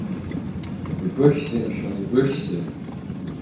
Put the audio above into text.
Ибыхьзеи, мшәан, ибыхьзеи!